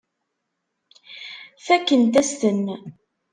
Fakkent-as-ten.